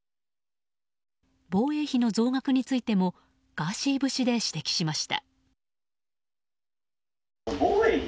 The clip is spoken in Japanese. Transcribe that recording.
防衛費の増額についてもガーシー節で指摘しました。